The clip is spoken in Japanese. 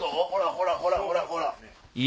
ほらほらほらほら！